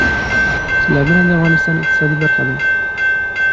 سیلابونه د افغانستان د اقتصاد برخه ده.